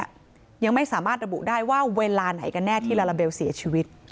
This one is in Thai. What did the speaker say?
ยังไม่สามารถระบุได้ว่าเวลาไหนกันแน่ที่ลาลาเบลเสียชีวิต